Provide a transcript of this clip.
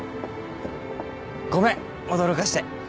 ごめん驚かして。